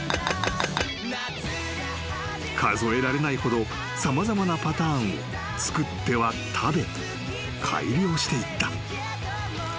［数えられないほど様々なパターンを作っては食べ改良していった］